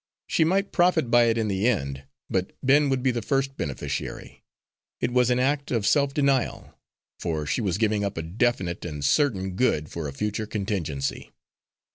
She might profit by it in the end, but Ben would be the first beneficiary. It was an act of self denial, for she was giving up a definite and certain good for a future contingency.